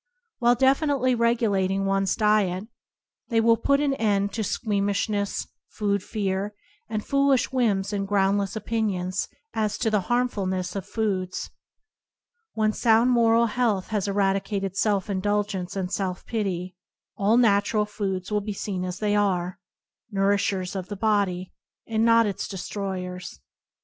While definitely regulating one's diet, they will put an end to squeam ishness, food fear, and foolish whims and groundless opinions as to the harmfulness of foods. When sound moral health has eradicated self indulgence and self pity, all natural foods will be seen as they are — nourishers of the body, and not its de stroyers.